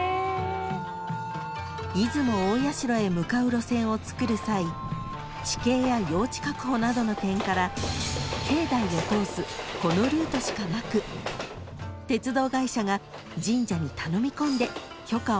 ［出雲大社へ向かう路線をつくる際地形や用地確保などの点から境内を通すこのルートしかなく鉄道会社が神社に頼み込んで許可をもらったのだそう］